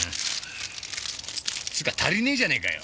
つーか足りねえじゃねえかよ！